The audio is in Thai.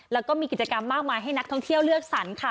แล้วก็มีกิจกรรมมากมายให้นักท่องเที่ยวเลือกสรรค่ะ